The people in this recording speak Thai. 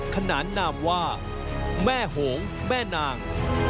ขนานนามว่าแม่โหงแม่นาง